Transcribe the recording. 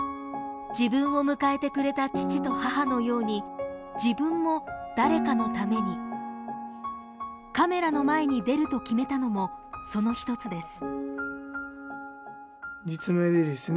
自分を迎えてくれた父と母のように自分も誰かのためにカメラの前に出ると決めたのもその一つです